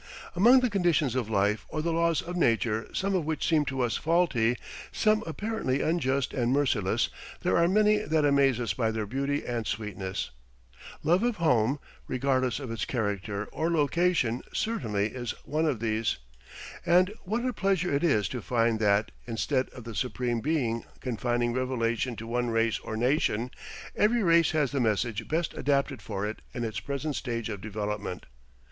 Among the conditions of life or the laws of nature, some of which seem to us faulty, some apparently unjust and merciless, there are many that amaze us by their beauty and sweetness. Love of home, regardless of its character or location, certainly is one of these. And what a pleasure it is to find that, instead of the Supreme Being confining revelation to one race or nation, every race has the message best adapted for it in its present stage of development.